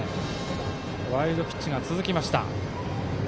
ワイルドピッチが続きました。